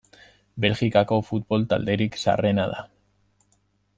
Belgikako futbol talderik zaharrena da.